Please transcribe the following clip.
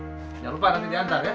jangan lupa nanti diantar ya